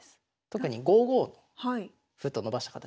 特に５五歩と伸ばした形。